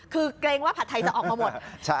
คือเกรงว่าผัดไทยจะออกมาหมด